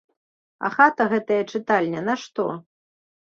А хата гэтая чытальня нашто?!